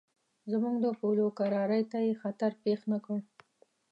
زموږ د پولو کرارۍ ته یې خطر پېښ نه کړ.